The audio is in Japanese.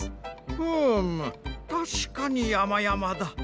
ふむたしかにやまやまだ。